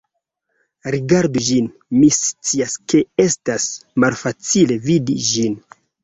Rigardu ĝin, mi scias, ke estas malfacile vidi ĝin